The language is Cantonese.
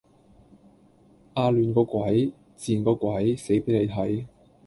啊亂個鬼，賤個鬼，死俾你睇